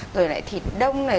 rồi lại thịt đông này